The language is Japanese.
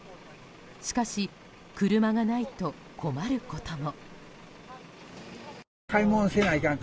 しかし、車がないと困ることも。